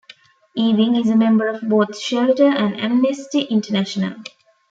Ewing is a member of both Shelter and Amnesty International.